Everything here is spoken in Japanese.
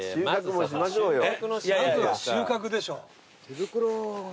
まずは収穫でしょ。